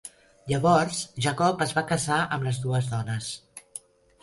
Llavors, Jacob es va casar amb les dues dones.